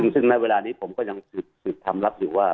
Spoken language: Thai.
ซึ่งในเวลานี้ผมก็ยังถือคำลักษณ์อยู่ว่า